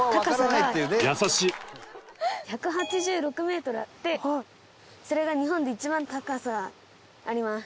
１８６メートルあってそれが日本で一番高さあります。